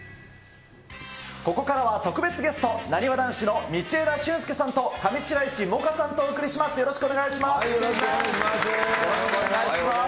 ここからは特別ゲスト、なにわ男子の道枝駿佑さんと上白石萌歌さんとお送りします。